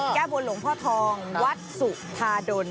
แก้บนหลวงพ่อทองวัดสุธาดล